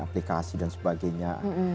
aplikasi dan sebagainya